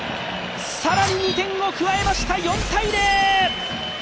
さらに２点を加えました４−０！